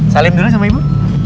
salim dulu sama ibu